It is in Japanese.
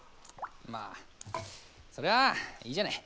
まあそれはいいじゃない。